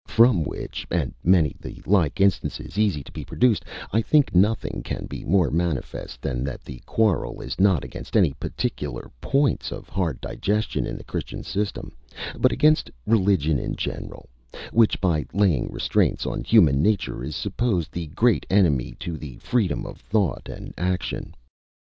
From which, and many the like instances easy to be produced, I think nothing can be more manifest than that the quarrel is not against any particular points of hard digestion in the Christian system, but against religion in general, which, by laying restraints on human nature, is supposed the great enemy to the freedom of thought and action.